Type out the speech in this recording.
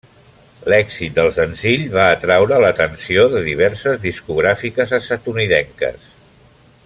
L'èxit del senzill va atraure l'atenció de diverses discogràfiques estatunidenques.